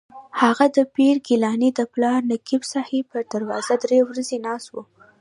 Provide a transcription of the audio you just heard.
هغه د پیر ګیلاني د پلار نقیب صاحب پر دروازه درې ورځې ناست و.